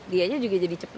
dia nya juga jadi cepet